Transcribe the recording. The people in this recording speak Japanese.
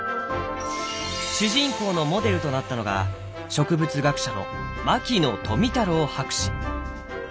主人公のモデルとなったのが植物学者の牧野富太郎博士。